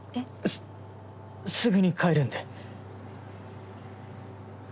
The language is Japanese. すすぐに帰るんで。